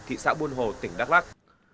thị xã buôn hồ tỉnh đắk lắc